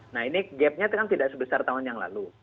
nah ini gapnya kan tidak sebesar tahun yang lalu